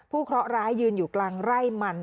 เคราะห์ร้ายยืนอยู่กลางไร่มัน